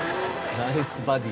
「ナイスバディ」